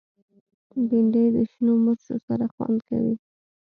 بېنډۍ د شنو مرچو سره خوند کوي